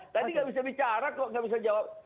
tadi nggak bisa bicara kok nggak bisa jawab